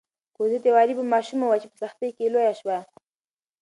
کوزت یوه غریبه ماشومه وه چې په سختۍ کې لویه شوه.